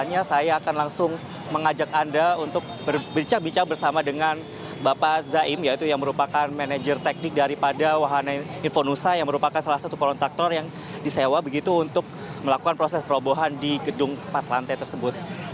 selanjutnya saya akan langsung mengajak anda untuk berbincang bincang bersama dengan bapak zaim yaitu yang merupakan manajer teknik daripada wahana infonusa yang merupakan salah satu kontaktor yang disewa begitu untuk melakukan proses perobohan di gedung empat lantai tersebut